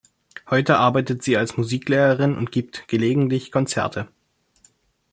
Heute arbeitet sie als Musiklehrerin und gibt gelegentlich Konzerte.